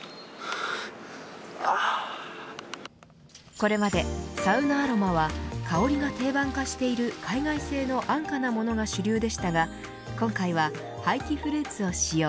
これまでサウナアロマは香りが定番化している海外製の安価なものが主流でしたが今回は廃棄フルーツを使用。